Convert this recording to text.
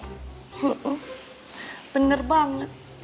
iya bener banget